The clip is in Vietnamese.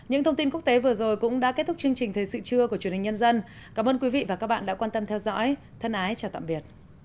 hãy đăng ký kênh để ủng hộ kênh của mình nhé